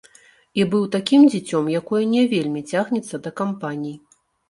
І быў такім дзіцём, якое не вельмі цягнецца да кампаній.